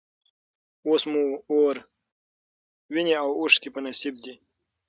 اوس مو اور، ویني او اوښکي په نصیب دي